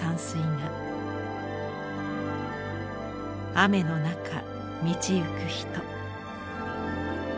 雨の中道行く人。